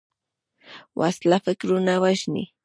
وسله فکرونه وژني